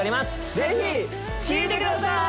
ぜひ聴いてください！